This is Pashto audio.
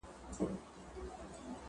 له خلوته مي پر بده لار روان كړل !.